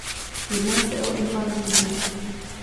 Jedná se o invazní druh.